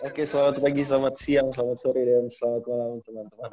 oke selamat pagi selamat siang selamat sore dan selamat malam teman teman